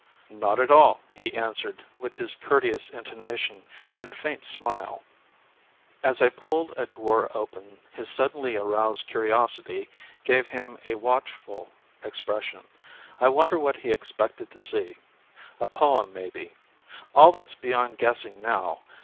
"Not at all," he answered with his courteous intonation and a faint smile. As I pulled a drawer open his suddenly aroused curiosity gave him a watchful expression. I wonder what he expected to see. A poem, maybe. All that's beyond guessing now.